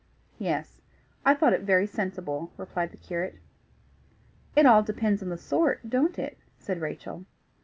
"Yes. I thought it very sensible," replied the curate. "It all depends on the sort, don't it?" said Rachel.